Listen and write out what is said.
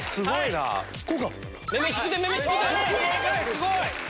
すごいな。